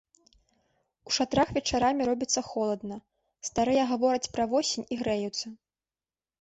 У шатрах вечарамі робіцца холадна, старыя гавораць пра восень і грэюцца.